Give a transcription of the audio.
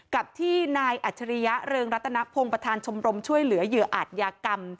กับที่นายอัจฉริยะเริงรัตนพงศ์ประธานชมรมช่วยเหลือเหยื่ออาจยากรรม